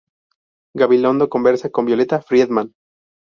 Gabilondo conversa con Violeta Friedman.